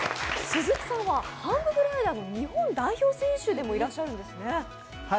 鈴木さんは、ハンググライダーの日本代表選手でもいらっしゃるんですね。